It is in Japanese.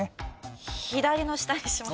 左の下にします。